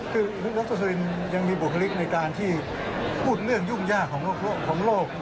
คือคุณนรกสุรินยังมีบุคลิกในการที่พูดเรื่องยุ่งยากของโลก